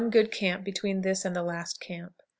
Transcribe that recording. Good camps between this and the last camp.